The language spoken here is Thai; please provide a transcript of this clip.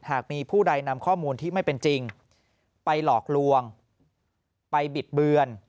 หากมีผู้ใดนำข้อมูลที่ไม่เป็นจริงไปหลอกลวงไปบิดเบือน